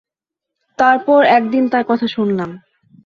তারপর একদিন তার কথা শুনলাম।